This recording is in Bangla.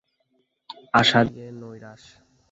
আশা দিয়ে নৈরাশ!